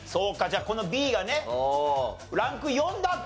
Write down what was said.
じゃあこのＢがねランク４だったらね。